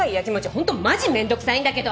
本当マジ面倒くさいんだけど！